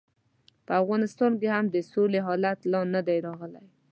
په افغانستان کې هم د سولې حالت لا نه دی راغلی.